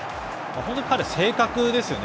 本当に彼は、正確ですよね。